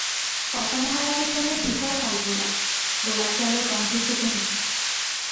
কর্তামহারাজের জন্যে বৃহৎ আলবোলা, গোলাপজলের গন্ধে সুগন্ধি।